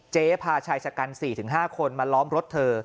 พาชายชะกัน๔๕คนมาล้อมรถเธอ